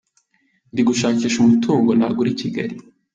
Ndi gushakisha umutungo nagura i Kigali.